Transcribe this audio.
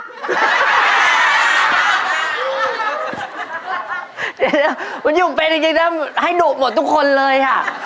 เดี๋ยวมันหยุ่งเป็นจริงให้ดุหมดทุกคนเลย